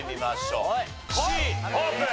Ｃオープン！